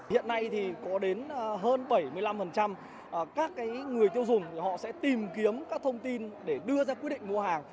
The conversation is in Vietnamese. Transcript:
hiện nay thì có đến hơn bảy mươi năm các người tiêu dùng họ sẽ tìm kiếm các thông tin để đưa ra quyết định mua hàng